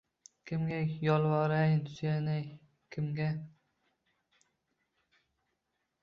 Kimga yolvorayin, suyanay kimga